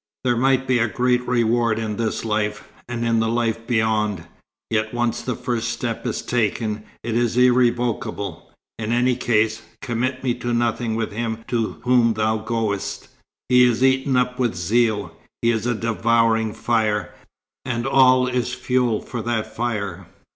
"There might be a great reward in this life, and in the life beyond. Yet once the first step is taken, it is irrevocable. In any case, commit me to nothing with him to whom thou goest. He is eaten up with zeal. He is a devouring fire and all is fuel for that fire."